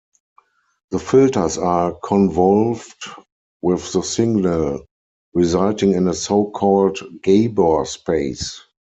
The filters are convolved with the signal, resulting in a so-called Gabor space.